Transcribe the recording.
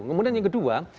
kemudian yang kedua